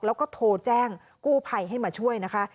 แล้วก็โทรแจ้งกู้ภัยให้มาช่วยนะคะ